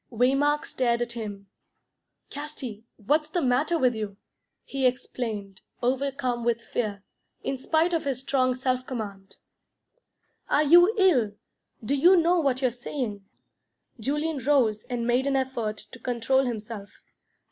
Waymark stared at him. "Casti, what's the matter with you?" he exclaimed, overcome with fear, in spite of his strong self command. "Are you ill? Do you know what you're saying?" Julian rose and made an effort to control himself.